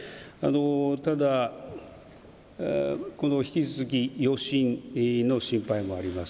ただ、この引き続き余震の心配もあります。